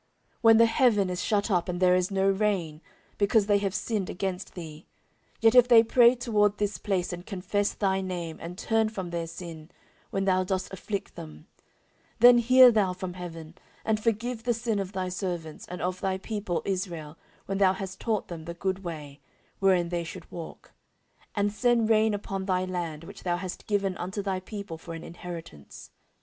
14:006:026 When the heaven is shut up, and there is no rain, because they have sinned against thee; yet if they pray toward this place, and confess thy name, and turn from their sin, when thou dost afflict them; 14:006:027 Then hear thou from heaven, and forgive the sin of thy servants, and of thy people Israel, when thou hast taught them the good way, wherein they should walk; and send rain upon thy land, which thou hast given unto thy people for an inheritance.